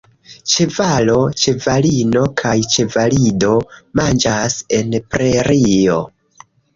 Ĉevalo, ĉevalino kaj ĉevalido manĝas en prerio.